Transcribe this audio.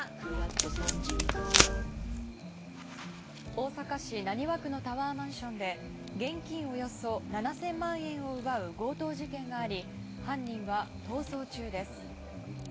大阪市浪速区のタワーマンションで現金およそ７０００万円を奪う強盗事件があり犯人は逃走中です。